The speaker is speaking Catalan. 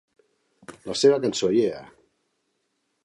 La seva cançó Yeah!